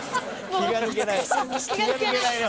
気が抜けないね